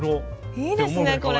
いいですねこれ。